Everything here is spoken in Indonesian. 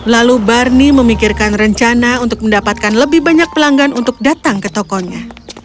lalu barni memikirkan rencana untuk mendapatkan lebih banyak pelanggan untuk datang ke tokonya